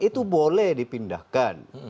itu boleh dipindahkan